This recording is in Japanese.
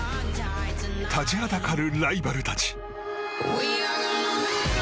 立ちはだかるライバルたち。